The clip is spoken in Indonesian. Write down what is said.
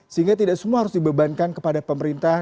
sehingga tidak semua harus dibebankan kepada pemerintah